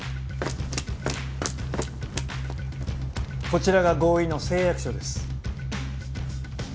こちらが合意の誓約書です。